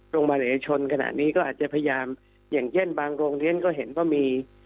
โรงเรียนเอกชนขณะนี้ก็อาจจะพยายามอย่างเช่นบางโรงเรียนก็เห็นว่ามี